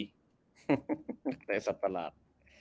นักไตรสัตว์ประหลาด